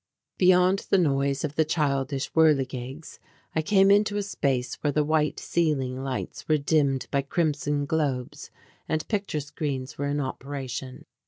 Beyond the noise of the childish whirligigs I came into a space where the white ceiling lights were dimmed by crimson globes and picture screens were in operation.